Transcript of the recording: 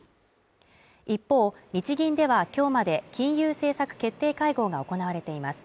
一方、日銀では今日まで金融政策決定会合が行われています。